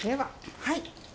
はい。